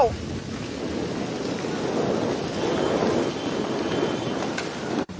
หิวหิวจิ